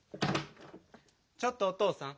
ちょっとお父さん。